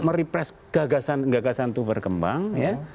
merepress gagasan gagasan itu berkembang ya